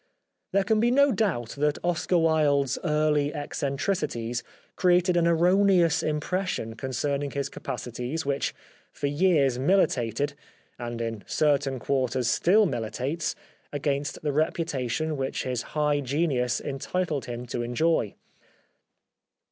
There can be no doubt that Oscar Wilde's early ec centricities created an erroneous impression con cerning his capacities which for years militated, and in certain quarters still militates against the reputation which his high genius entitled him to enjoy.